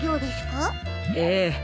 ええ。